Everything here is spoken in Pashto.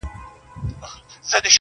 چا ویله چي ګوربت دي زموږ پاچا وي.!